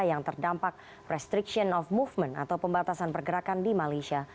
yang terdampak restriction of movement atau pembatasan pergerakan di malaysia